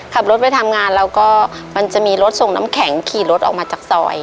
ขับรถไปทำงานแล้วก็มันจะมีรถส่งน้ำแข็งขี่รถออกมาจากซอย